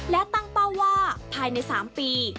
และตั้งเป้าว่าภายใน๓ปี